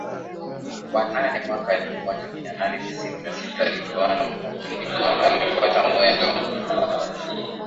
wa nane mwaka elfu moja mia nane tisini na sita alipoona mgawanyiko Alifuata mwendo